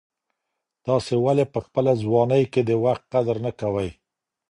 تاسي ولي په خپله ځواني کي د وخت قدر نه کوئ؟